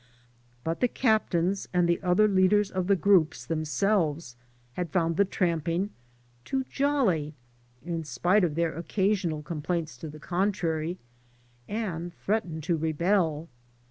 But the captains and the other leaders of the groups themselves had found the 53 AN AMERICAN IN THE MAKING tramping too jolly — ^in spite of their occasional com plaints to the contrary — ^and threatened to rebel.